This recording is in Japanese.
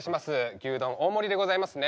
牛丼大盛りでございますね。